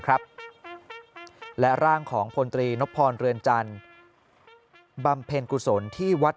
ครับและร่างของพลตรีนพรเรือนจันทร์บำเพ็ญกุศลที่วัด